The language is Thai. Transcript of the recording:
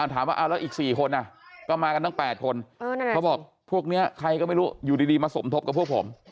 ถามว่าแล้วอีก๔คนก็มากันตั้ง๘คนเขาบอกพวกนี้ใครก็ไม่รู้อยู่ดีมาสมทบกับพวกผม